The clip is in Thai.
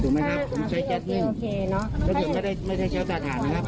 ถูกไหมครับผมใช้แก๊สนึ่งถ้าเกิดไม่ใช้เชียวสาธารณ์นะครับ